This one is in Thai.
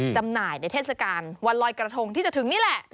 จำหน่ายในเทศกาลวันลอยกระทงที่จะถึงนี่แหละ